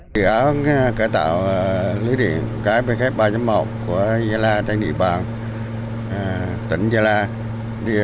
điện áo cải tạo lưới điện cái bề khép ba một của gia lai tây nị bàng tỉnh gia lai